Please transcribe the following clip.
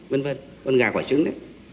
vân vân con gà quả trứng đấy